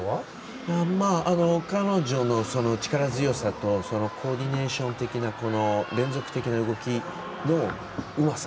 彼女の力強さとコーディネーション的な連続的な動きのうまさ。